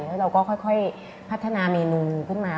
แล้วเราก็ค่อยพัฒนาเมนูขึ้นมา